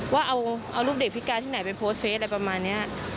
ว่าเอาลูกเด็กพิการที่ไหนไปโพสต์เฟสอะไรประมาณนี้